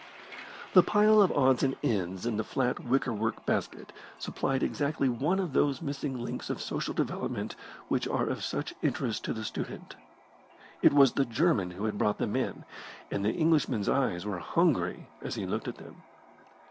The pile of odds and ends in the flat wicker work basket supplied exactly one of those missing links of social development which are of such interest to the student. It was the German who had brought them in, and the Englishman's eyes were hungry as he looked at them.